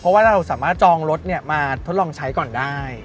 เพราะว่าเราสามารถจองรถมาทดลองใช้ก่อนได้